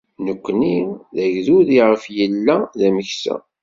Nekkni d agdud iɣef yella d ameksa.